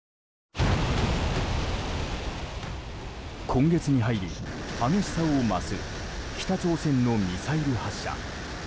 今月に入り、激しさを増す北朝鮮のミサイル発射。